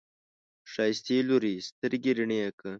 ښايستې لورې، سترګې رڼې که!